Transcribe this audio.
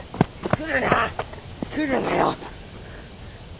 来るなよ！